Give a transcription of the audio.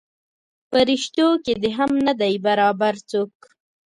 پریشتو کې دې هم نه دی برابر څوک.